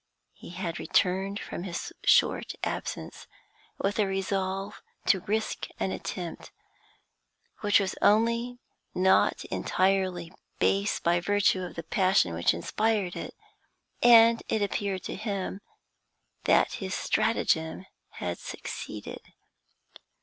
He had returned from his short absence with a resolve to risk an attempt which was only not entirely base by virtue of the passion which inspired it, and it appeared to him that his stratagem had succeeded.